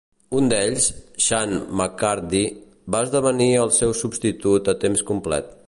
Un d'ells, Xan McCurdy, va esdevenir el seu substitut a temps complet.